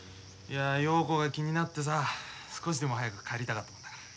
いや陽子が気になってさ少しでも早く帰りたかったもんだから。